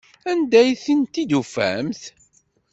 Anda ay t-id-tufamt?